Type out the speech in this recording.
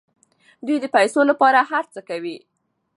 دوی د پیسو لپاره هر څه کوي.